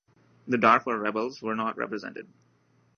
The Darfur rebels were not represented.